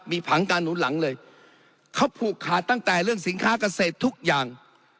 มีผังการหนุนหลังเลยเขาผูกขาดตั้งแต่เรื่องสินค้าเกษตรทุกอย่าง